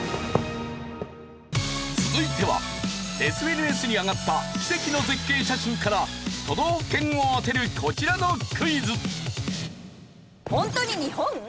続いてはＳＮＳに上がった奇跡の絶景写真から都道府県を当てるこちらのクイズ。